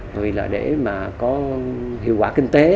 vì là để mà có hiệu quả kinh tế